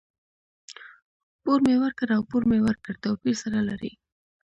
پور مي ورکړ او پور مې ورکړ؛ توپير سره لري.